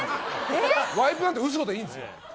ワイプなんて嘘でいいんです。